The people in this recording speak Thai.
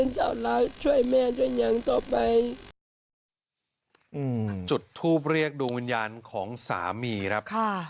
จุดทูปเรียกดวงวิญญาณของสามีครับ